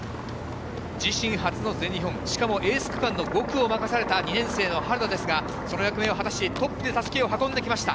自身初の全日本、しかもエース区間の５区を任された２年生の原田ですが、その役目を果たし、トップで襷を運んできました。